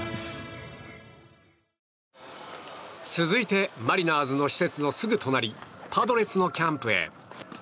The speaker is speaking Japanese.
続いてマリナーズの施設のすぐ隣パドレスのキャンプへ。